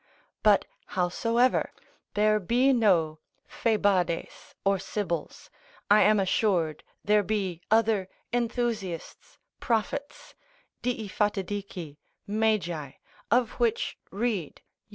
But, howsoever, there be no Phaebades or sibyls, I am assured there be other enthusiasts, prophets, dii Fatidici, Magi, (of which read Jo.